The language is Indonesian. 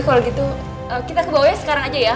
kalau gitu kita ke bawahnya sekarang aja ya